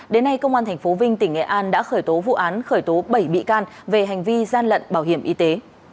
đến nay công an tp vinh tỉnh nghệ an đã khởi tố vụ án khởi tố bảy bị can về hành vi gian lận bảo hiểm y tế